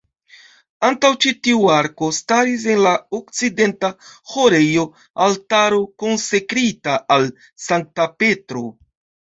Antaŭ ĉi tiu arko staris en la okcidenta ĥorejo altaro konsekrita al Sankta Petro.